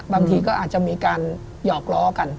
บางทีก็อาจจะมีการหยอกล้อกัน